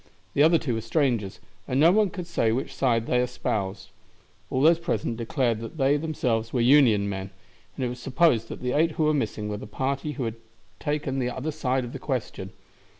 The other two were strangers, and no one could say which side they espoused. All those present declared that they themselves were Union men, and it was supposed that the eight who were missing were the party who had taken the other side of the question.